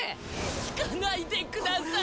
聞かないでください。